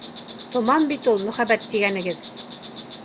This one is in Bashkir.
Томан бит ул мөхәббәт тигәнегеҙ!